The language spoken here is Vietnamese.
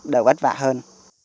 đỡ bất vả hơn